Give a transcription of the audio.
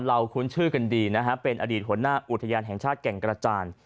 คุ้นชื่อกันดีนะฮะเป็นอดีตหัวหน้าอุทยานแห่งชาติแก่งกระจาน